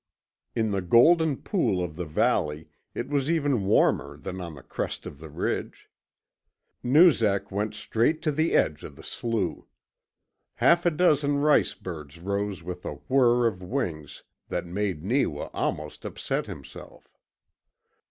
In the golden pool of the valley it was even warmer than on the crest of the ridge. Noozak went straight to the edge of the slough. Half a dozen rice birds rose with a whir of wings that made Neewa almost upset himself.